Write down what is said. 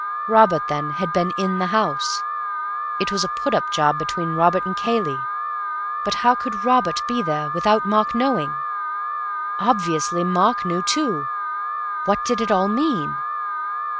Robert, then, had been in the house; it was a put up job between Robert and Cayley. But how could Robert be there without Mark knowing? Obviously, Mark knew too. What did it all mean?"